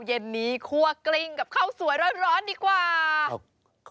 เย็นนี้คั่วกลิ้งกับข้าวสวยร้อนดีกว่าครับ